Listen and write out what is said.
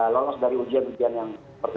lolos dari ujian ujian yang seperti